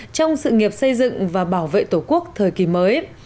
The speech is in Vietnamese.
trong sự nghiệp xây dựng và bảo vệ tổ quốc thời kỳ mới